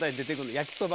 焼きそば。